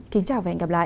kính chào và hẹn gặp lại